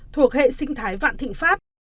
thuộc hệ sinh thái vạn thịnh pháp